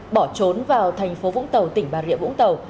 bỏ trốn vào thành phố vũng tàu tỉnh bà rịa vũng tàu